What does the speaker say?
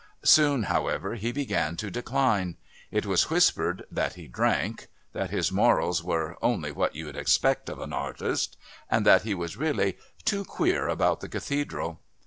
Soon, however, he began to decline. It was whispered that he drank, that his morals were "only what you'd expect of an artist," and that he was really "too queer about the Cathedral."